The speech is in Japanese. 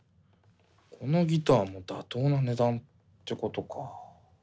このギターも妥当な値段ってことかあ。